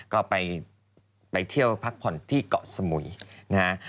ก็ไปเที่ยวพักผ่อนที่เกาะสมุยนะฮะ